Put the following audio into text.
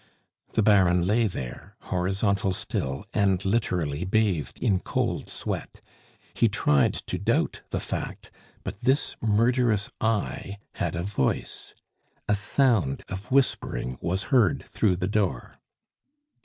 The Baron lay there, horizontal still, and literally bathed in cold sweat. He tried to doubt the fact; but this murderous eye had a voice. A sound of whispering was heard through the door.